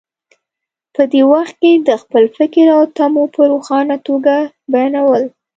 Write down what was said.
په دې وخت کې د خپل فکر او تمو په روښانه توګه بیانول.